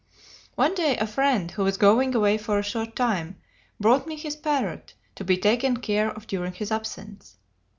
One day a friend who was going away for a short time, brought me his parrot, to be taken care of during his absence.